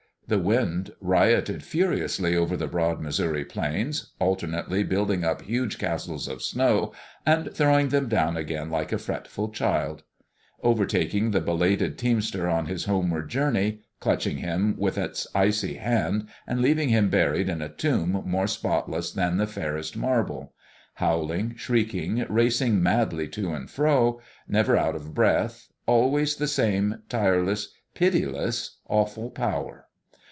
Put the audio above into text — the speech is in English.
The wind rioted furiously over the broad Missouri plains, alternately building up huge castles of snow and throwing them down again like a fretful child; overtaking the belated teamster on his homeward journey, clutching him with its icy hand, and leaving him buried in a tomb more spotless than the fairest marble; howling, shrieking, racing madly to and fro, never out of breath, always the same tireless, pitiless, awful power.